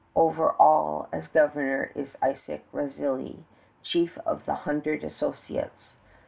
Over all as governor is Isaac Razilli, chief of the Hundred Associates.